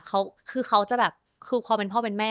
คือเขาจะแบบคือพอเป็นพ่อเป็นแม่